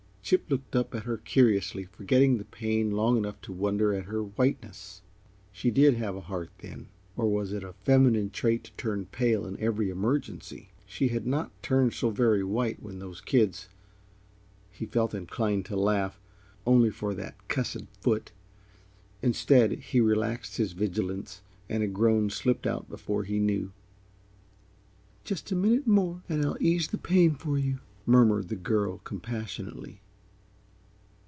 Chip looked up at her curiously, forgetting the pain long enough to wonder at her whiteness. Did she have a heart, then, or was it a feminine trait to turn pale in every emergency? She had not turned so very white when those kids he felt inclined to laugh, only for that cussed foot. Instead he relaxed his vigilance and a groan slipped out before he knew. "Just a minute more and I'll ease the pain for you," murmured the girl, compassionately.